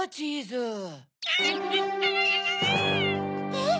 えっ？